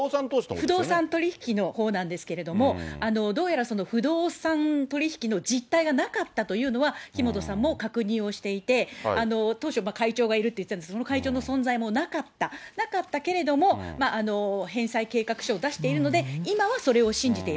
不動産取り引きのことなんですけども、どうやらその不動産取引の実態がなかったというのは、木本さんも確認をしていて、当初、会長がいるって言ってたんですけど、その会長の存在もなかった、なかったけれども、返済計画書を出しているので、今はそれを信じている。